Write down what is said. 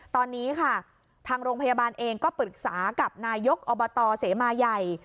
ตอนนี้ค่ะทางโรงพยาบาลเองก็ปรึกษากับนายกอบตเสมาใหญ่